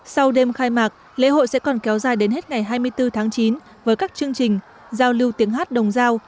sau đêm khai mạc lễ hội sẽ còn kéo dài đến hết ngày hai mươi bốn tháng chín với các chương trình giao lưu tiếng hát đồng giao